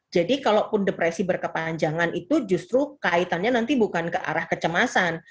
jadi kalau depresi berkepanjangan itu justru kaitannya nanti bukan ke arah kecemasan